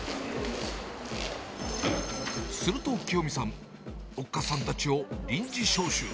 するときよみさん、おっかさんたちを臨時招集。